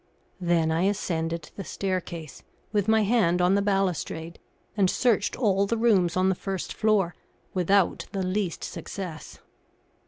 Then I ascended the staircase, with my hand on the balustrade, and searched all the rooms on the first floor, without the least success.